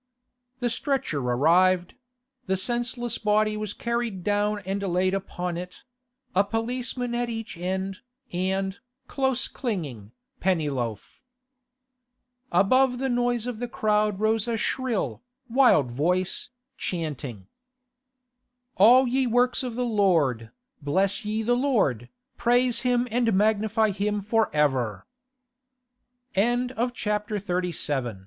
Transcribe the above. The stretcher arrived; the senseless body was carried down and laid upon it—a policeman at each end, and, close clinging, Pennyloaf. Above the noise of the crowd rose a shrill, wild voice, chanting: 'All ye works of the Lord, bless ye the Lord; praise Him and mag